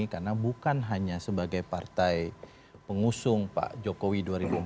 karena bukan hanya sebagai partai pengusung pak jokowi dua ribu empat belas dua ribu sembilan belas